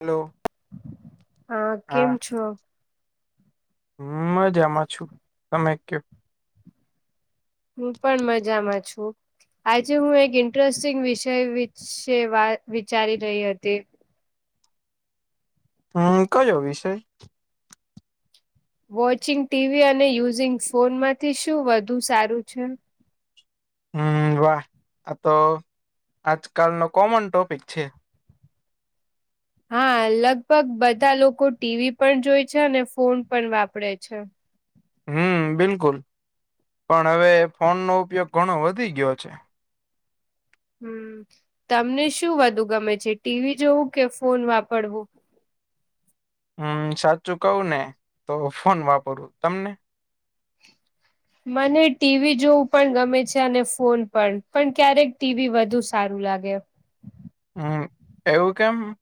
Hello. હા, કેમ છો? હું મજામાં છું તમે કયો? હું પણ મજામાં છું. આજે હું એક ઇન્ટરેસ્ટિંગ વિષય વિશે વાત વિચારી રહી હતી. હમ્મ, કયો વિષય? વોચિંગ ટીવી અને યુઝિંગ ફોન માંથી શું વધુ સારું છે? હમ્મ, વાહ આ તો આજકાલનો કોમન ટોપિક છે. હા, લગભગ બધા લોકો ટીવી પણ જોય છે અને ફોન પણ વાપરે છે. હમ્મ, બિલકુલ પણ હવે ફોનનો ઉપયોગ ઘણો વધી ગયો છે. હમ્મ, તમને શું વધુ ગમે છે, ટી વી જોવું કે ફોન વાપરવું? હમ સાચું કવું ને તો ફોન વાપરવું તમને. [inaudible] મને ટીવી જોવું પણ ગમે છે અને ફોન પણ પણ ક્યારેક ટીવી વધુ સારું લાગે. હમ એવું કેમ.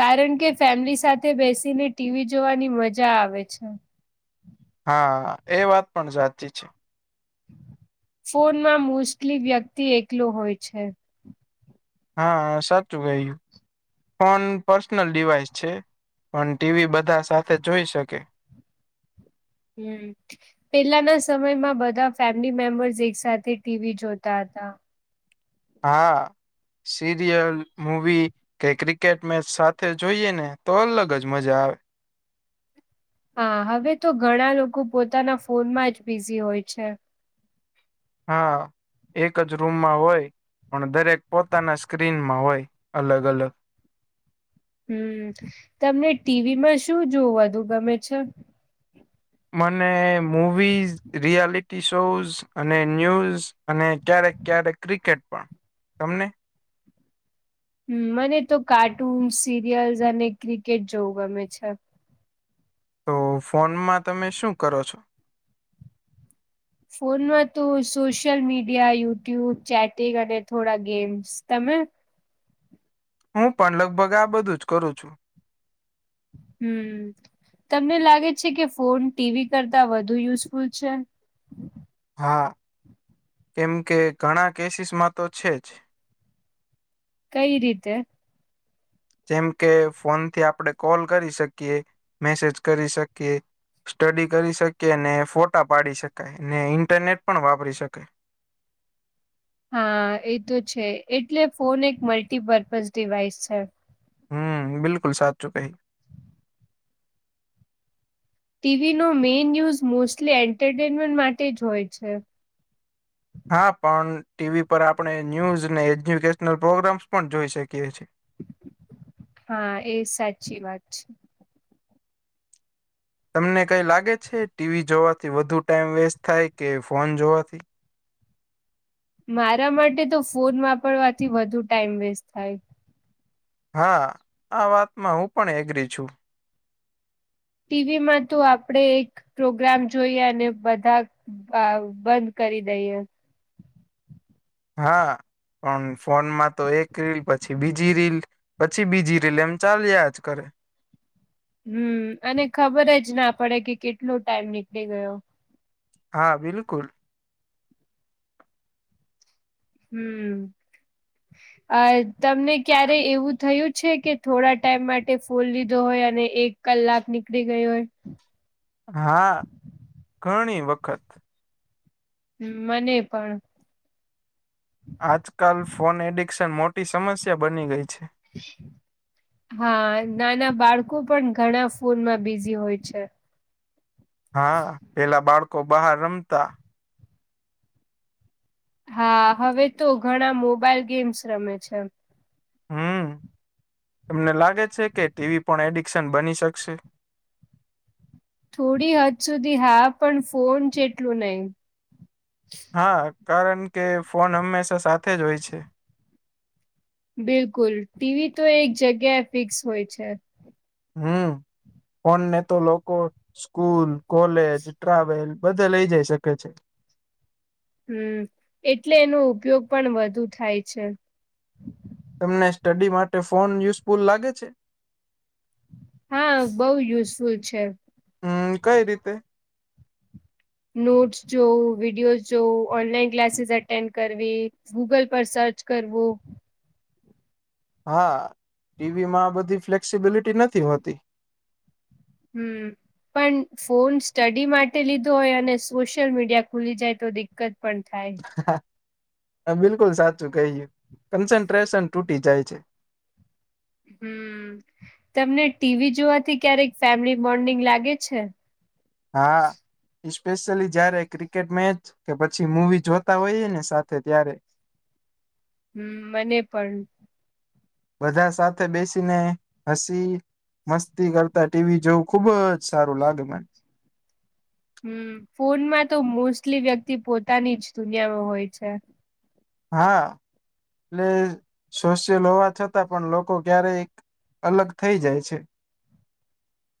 કારણ કે ફેમિલી સાથે બેસીને ટી વી જોવાની મજા આવે છે. હા, એ વાત પણ સાચી છે. ફોનમાં મોસ્ટલી વ્યક્તિ એકલો હોય છે. હા, હા સાચું કહ્યું. ફોન પર્સનલ ડીવાઈસ છે, પણ ટી વી બધા સાથે જોઈ શકે. હમ્મ. પહેલાના સમયમાં બધા ફેમિલી મેમ્બર્સ એક સાથે ટી વી જોતા હતા. હા. સીરિયલ, મૂવી કે ક્રિકેટ મેચ સાથે જોઈએ ને તો અલગ જ મજા આવે. હા. હવે તો ઘણા લોકો પોતાના ફોનમાં જ બિઝી હોય છે. હા. એક જ રૂમમાં હોય પણ દરેક પોતાના સ્ક્રીનમાં હોય અલગ-અલગ. હમ્મ, તમને ટીવી માં શું જોવું વધુ ગમે છે? મને મૂવીઝ, રિયાલિટી શોઝ, અને ન્યૂઝ અને ક્યારેક-ક્યારેક ક્રિકેટ પણ. તમને? હમ્મ મને તો કાર્ટૂન, સિરિયલ્સ અને ક્રિકેટ જોવું ગમે છે. તો ફોનમાં તમે શું કરો છો? ફોનમાં તો હું સોશિયલ મીડિયા, યુટ્યુબ, ચેટિંગ અને થોડા ગેમ્સ. તમે? હું પણ લગભગ આ બધું જ કરું છું. હમ્મ. તમને લાગે છે કે ફોન, ટી વી કરતા વધુ યુઝફુલ છે? હા. કેમ કે ઘણા કેસીસ માં તો છે જ. કઈ રીતે? જેમકે ફોનથી આપણે કોલ કરી શકીએ, મેસેજ કરી શકીએ સ્ટડી કરી શકીએ ને ફોટા પાડી શકાય, ને ઇન્ટરનેટ પણ વાપરી શકાય. હા એ તો છે. એટલે ફોન એક મલ્ટીપર્પઝ ડિવાઈસ છે. હમ્મ બિલકુલ સાચું કહ્યું. ટી વી નો મેઈન ન્યુઝ મોસ્ટલી એન્ટરટેનમેન્ટ માટે જ હોય છે. હા. પણ ટી વી પર આપણે ન્યુઝને, એજ્યુકેશનલ પ્રોગ્રામ્સ પણ જોઈ શકીએ છીએ. હા એ સાચી વાત છે. તમને કઈ લાગે છે, ટી વી જોવાથી વધુ ટાઈમ વેસ્ટ થાય, કે ફોન જોવાથી? મારા માટે તો ફોન વાપરવાથી વધુ ટાઈમ વેસ્ટ થાય. હા. આ વાતમાં હું પણ એગ્રી છું. ટી વી માં તો આપડે એક પ્રોગ્રામ જોઈએ અને બધા અહ બંધ કરી દઈએ. હા પણ ફોનમાં તો એક રીલ પછી, બીજી રીલ પછી બીજી રીલ, એમ ચાલ્યા જ કરે. હમ્મ. અને ખબર જ ના પડે કે કેટલો ટાઈમ નીકળી ગયો. હા બિલકુલ. હમ્મ. [inaudible] અહ તમને ક્યારે એવું થયું છે કે થોડા ટાઈમ માટે ફોન લીધો હોય અને એક કલાક નીકળી ગયો હોય. હા, ઘણી વખત. હ મને પણ. આજકાલ ફોન એડિક્શન મોટી સમસ્યા બની ગઈ છે. હા નાના બાળકો પણ ઘણા ફોનમાં બિઝી હોય છે. હા. પહેલા બાળકો બહાર રમતા. હા હવે તો ઘણા મોબાઈલ ગેમ્સ રમે છે. હમ્મ. તમને લાગે છે કે ટી વી પણ એડિક્શન બની શકશે? થોડી હદ સુધી હા પણ ફોન જેટલું એટલું નહી. હા. કારણ કે ફોન હંમેશા સાથે જ હોય છે. બિલકુલ. ટી વી તો એક જગ્યાએ ફિક્સ હોય છે. હમ કોને તો લોકો સ્કૂલ કોલેજ ટ્રાવેલ બધા લઇ જઈ શકે છે હમ એટલે એનો ઉપયોગ પણ વધુ થાય છે તમને સ્ટડી માટે ફોન યુઝફુલ લાગે છે હા બઉુ યુઝફુલ છે હમ કઈ રીતે નોટ્સ જોવું વિડીયો જોવું ઓનલાઈન ક્લાસીસ એટેન્ડ કરવી ગૂગલ પર સર્ચ કરવો હા ટીવી માં બધી ફ્લેક્સિબિલિટી નથી હોતી હમ પણ ફોન સ્ટડી માટે લીધો હોય અને સોશિયલ મીડિયા ખુલી જાય તો દિક્કત પણ થાય હ બિલકુલ સાચું કહીય કન્સન્ટ્રેશન તૂટી જાય છે હમ તમને ટીવી જોવાથી ક્યારેક ફેમિલી બોન્ડિંગ લાગે છે હા પેશિયલી જયારે ક્રિકેટ મેચ કે પછી મવી જોતા હોઈએ ને સાથે ત્યારે હમ મને પણ બધા સાથે બેસીને હસી મસ્તી કરતા ટીવી જોવું ખુબ જ સારું લાગે મને હમ ફોનમાં તો મોસ્ટલી વ્યક્તિ પોતાની જ દુનિયામાં હોય છે હા એટલે સોશિયલ હોવા છતાં પણ લોકો ક્યારે અલગ થઈ જાય છે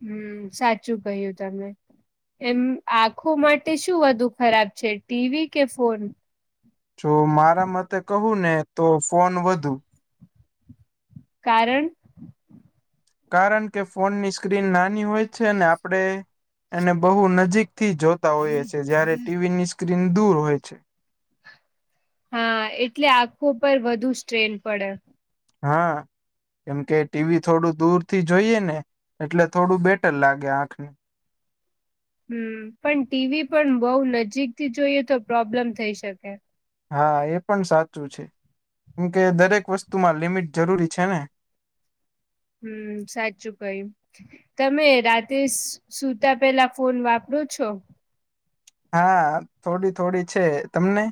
હમ સાચું કહ્યું તમે એમ આખો માટે શું વધુ ખરાબ છે ટીવી કે ફોન જો મારા મતે કહું ને તો ફોન વધુ કારણ કારણ કે ફોનની સ્ક્રીન નાની હોય છે ને આપણે અને બહુ નજીકથી જોતા હોઈએ છે જયારે ટીવીની સ્ક્રીન દૂર હોય છે હા એટલે આખો પર વધુ સ્ટ્રેન પડે હા કેમ કે ટીવી થોડું દૂર થી જોઈએ ને એટલે થોડું બેટર લાગે આંખને હમ પણ ટીવી પણ બઉ નજીકથી જોઈએ તો પ્રોબ્લેમ થઈ શકે હા એ પણ સાચું છે કેમકે દરેક વસ્તુમાં લિમિટ જરૂરી છે ને હમ સાચચું કઈ તમે રાતે સુતા પેલા ફોન વાપરો છો હા થોડી થોડી છે તમને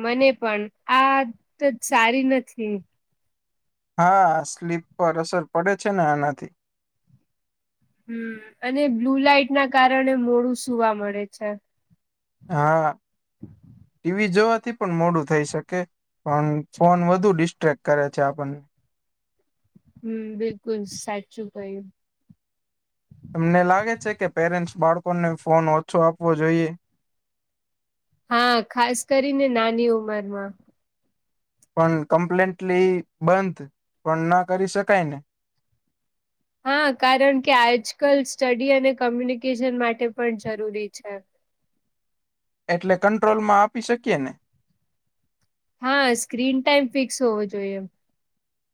મને પણ આત જ સારી નથી હા સ્લીપ પર અસર પડે છે ને આનાથી હમ અને બ્લુ લાઈટ ના કારણે મોડું સુવા મળે છે હા ટીવી જોવાથી પણ મોડું થઈ શકે પણ ફોન વધુ ડિસ્ટ્રેક્ટ કરે છે આપણને હમ બિલકુલ સાચું કય તમને લાગે છે કે પેરેન્ટ્સ બાળકોને ફોન ઓછો આપવો જોઈએ હા ખાસ કરીને નાની ઉંમર માં. પણ કમ્પ્લેટલી બંધ પણ ના કરી શકાય ને. હા કારણ કે આજકાલ સ્ટડી અને કોમ્યુનિકેશન માટે પણ જરૂરી છે. એટલે કંટ્રોલ માં આપી શકીએ ને. હા સ્ક્રીન ટાઈમ ફિક્સ હોવો જોઈએ એમ.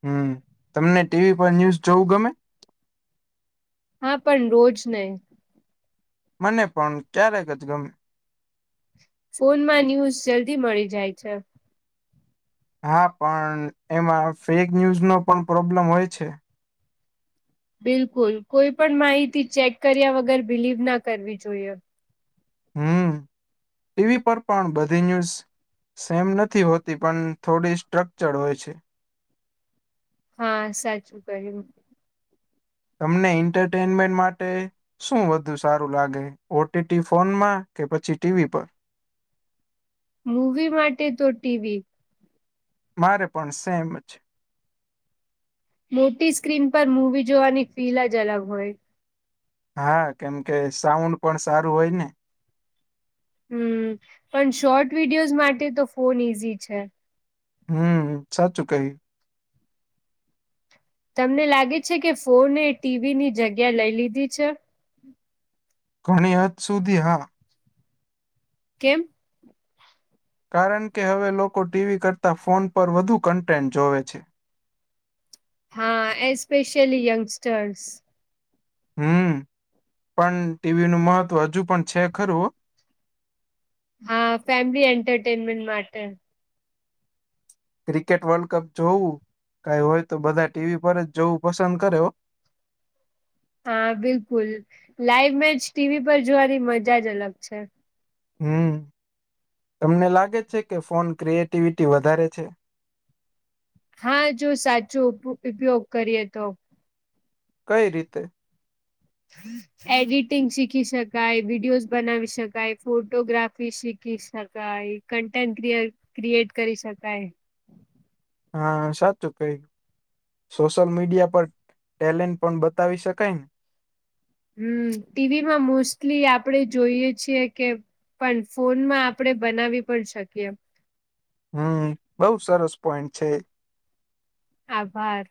હમ તમને ટીવી પર ન્યુઝ જોવું ગમે. હા પણ રોજ નહી. મને પણ ક્યારેક ગમે. ફોન માં ન્યૂઝ જલ્દી મળી જાય છે. હા પણ એમાં ફેક ન્યુઝ નો પણ પ્રોબ્લેમ હોય છે. બિલકુલ કોઈ પણ માહિતી ચેક કર્યા વગર બિલીવ ના કરવી જોઈએ. હમ ટીવી પર પણ બધી ન્યુઝ. સેમ નથી હોતી પણ થોડી સ્ટ્રક્ચર હોય છે. હા સાચું કર્યું. તમને એન્ટરટેનમેન્ટ માટે. શું વધુ સારું લાગે ઓટીટી ફોનમાં કે પછી ટીવી પર. મૂવી માટે તો ટીવી. મારે પણ સેમ છે. મોટી સ્ક્રીન પર મુવી જોવાની ફીલ જ અલગ હોય. હા કેમ કે સાઉન્ડ પણ સારું હોય ને. હમ પણ શોર્ટ વિડીયોઝ માટે તો ફોન ઈઝી છે. હમ સાચું કઈ. તમને લાગે છે કે ફોને ટીવી ની જગ્યા લઈ લીધી છે. ઘણી હદ સુધી હા. કેમ. કારણ કે હવે લોકો ટીવી કરતાં ફોન પર વધુ કન્ટેન્ટ જોવે છે. હા એસ્પેેશલી યંગસ્ટર્સ. હમ પણ ટીવી નું મહત્વ હજુ પણ છે ખરું. હા ફેમિલી એન્ટરટેનમેન્ટ માટે. ક્રિકેટ વર્લ્ડ કપ જોવું કઈ હોય તો બધા ટીવી પર જ જોવું પસંદ કરે હો. હા બિલકુલ લાઈવ મેચ ટીવી પર જોવાની મજા જ અલગ છે. હમ તમને લાગે છે કે ફોન ક્રિએટિવિટી વધારે છે. હા જો સાચું ઉપયોગ કરીએ તો. કઈ રીતે. હ [unintelligible] એડિટિંગ શીખી શકાય, વિડીયોઝ બનાવી શકાય, ફોટોગ્રાફી શીખી શકાય. કન્ટેન્ટ ક ક્રિએટ કરી શકાય. હા સાચું કઈ. સોશિયલ મીડિયા પર ટેલેન્ટ પણ બતાવી શકાયને. હમ ટીવી માં મોસ્ટલી આપણેે જોઈએ છીએ કે. પણ ફોનમાં આપણે બનાવી પણ શકીએ. હમ બઉ સરસ પોઈન્ટ છે. આભાર.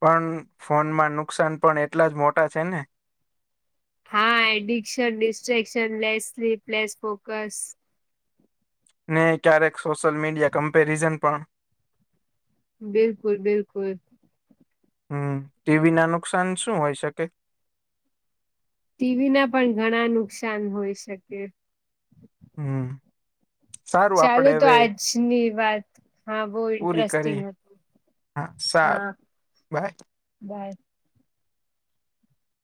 પણ ફોનમાં નુકસાન પણ એટલા જ મોટા છે ને. હા addiction, distraction, less sleep, less focus. ને ક્યારેક સોશિયલ મીડિયા કમ્પેરિઝન પણ. બિલકુલ બિલકુલ. હમ ટીવી ના નુકસાન શું હોય શકે. ટીવી ના પણ ઘણા નુકસાન હોય શકે. હમ. સારું ચાલો આપડે તો હવે આજની વાત હા બહુ પૂરી ઇન્ટરેસ્ટિંગ કરી હતું. હા, હા સારું. બાય. બાય.